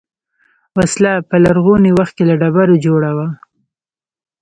وسله په لرغوني وخت کې له ډبرو جوړه وه